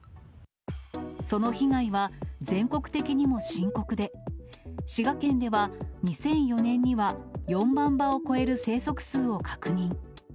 その被害は、全国的にも深刻で、滋賀県では２００４年には４万羽を超える生息数を確認。